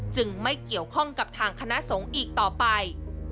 ไม่เกี่ยวข้องกับทางคณะสงฆ์อีกต่อไป